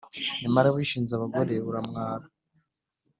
Nyamara wishinze abagore, uramwara